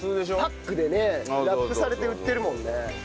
パックでねラップされて売ってるもんね。